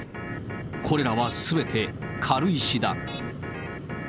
これらはすべて、軽石だ。